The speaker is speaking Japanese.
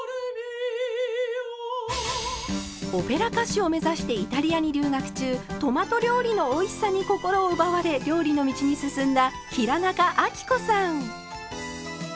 オペラ歌手を目指してイタリアに留学中トマト料理のおいしさに心を奪われ料理の道に進んだ平仲亜貴子さん。